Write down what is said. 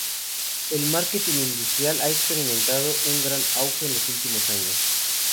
El marketing industrial ha experimentado un gran auge en los últimos años.